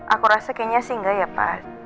aku rasa kayaknya sih enggak ya pak